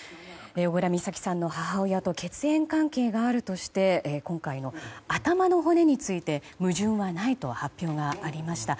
小倉美咲さんの母親と血縁関係があるとして今回、頭の骨について矛盾はないと発表がありました。